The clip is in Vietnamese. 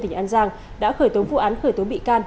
tỉnh an giang đã khởi tố vụ án khởi tố bị can